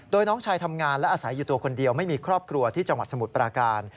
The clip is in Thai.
โดยน้องชายทำงานและอาศัยอยู่ตัวคนเดียวไม่มีครอบครัวที่จังหวัดสมุทรปราการ